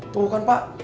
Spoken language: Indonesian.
tuh kan pak